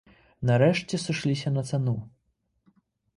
Нарэшце сышліся на цану.